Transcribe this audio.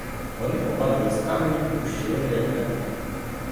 Вони попадали з каменів у щілини як мертві.